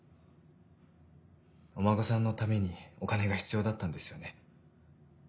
お孫さんのためにお金が必要だったんですよね？